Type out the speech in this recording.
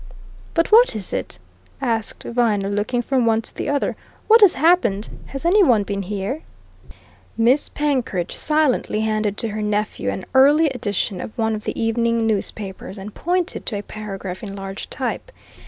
"But what is it?" asked Viner, looking from one to the other. "What has happened! Has any one been here?" Miss Penkridge silently handed to her nephew an early edition of one of the evening newspapers and pointed to a paragraph in large type.